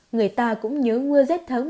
người ta cũng nhớ mưa rét tháng một mươi một